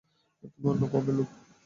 তুমি অন্য কওমের লোক।